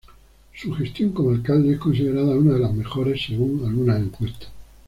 Su gestión como alcalde es considerada una de las mejores según algunas encuestas.